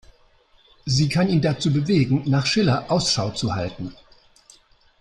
Sie kann ihn dazu bewegen, nach Schiller Ausschau zu halten.